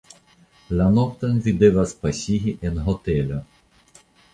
La noktojn vi devas pasigi en hotelo.